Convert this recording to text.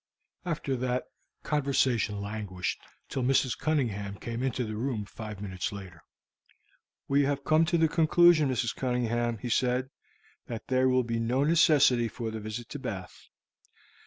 After that, conversation languished till Mrs. Cunningham came into the room, five minutes later. "We have come to the conclusion, Mrs. Cunningham," he said, "that there will be no necessity for the visit to Bath.